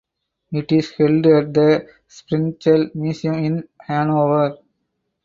It is held at the Sprengel Museum in Hanover.